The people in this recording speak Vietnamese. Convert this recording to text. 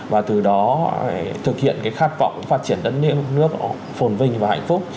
và từ đó họ thực hiện cái khát vọng phát triển đất nước phồn vinh và hạnh phúc